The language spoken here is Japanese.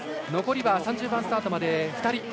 残りは３０番スタートまで２人。